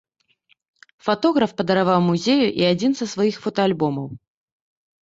Фатограф падараваў музею і адзін са сваіх фотаальбомаў.